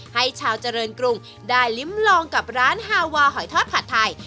ให้ชาวเจริญกรุงได้ลิ้มลองกับร้านฮาวาหอยทอดผัดไทย